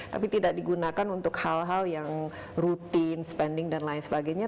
tapi tidak digunakan untuk hal hal yang rutin spending dan lain sebagainya